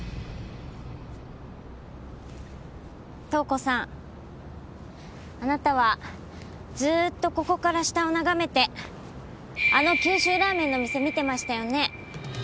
透子さんあなたはずーっとここから下を眺めてあの九州ラーメンの店見てましたよね？